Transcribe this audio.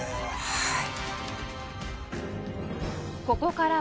はい。